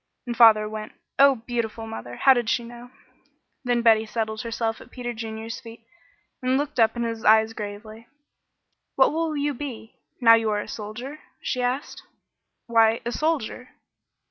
And father went. Oh, beautiful mother! How did she know! Then Betty settled herself at Peter Junior's feet and looked up in his eyes gravely. "What will you be, now you are a soldier?" she asked. "Why, a soldier."